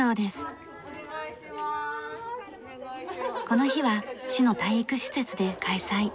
この日は市の体育施設で開催